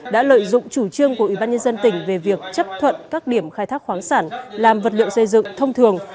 đã lợi dụng chủ trương của ủy ban nhân dân tỉnh về việc chấp thuận các điểm khai thác khoáng sản làm vật liệu xây dựng thông thường